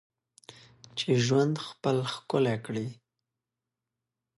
چې ژوند خپل ښکلی کړې.